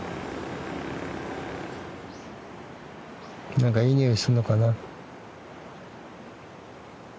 何かいい匂いするのかな？